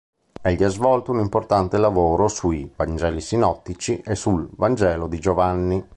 Egli ha svolto un importante lavoro sui "Vangeli sinottici" e sul "Vangelo di Giovanni".